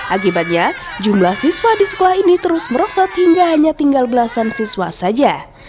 akibatnya jumlah siswa di sekolah ini terus merosot hingga hanya tinggal belasan siswa saja